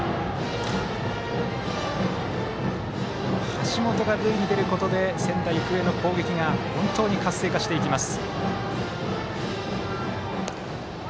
橋本が塁に出ることで仙台育英の攻撃が本当に活性化していきます。